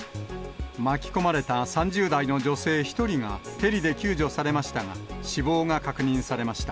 巻き込まれた３０代の女性１人が、ヘリで救助されましたが、死亡が確認されました。